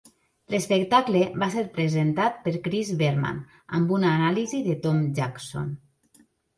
L'espectacle va ser presentat per Chris Berman, amb una anàlisi de Tom Jackson.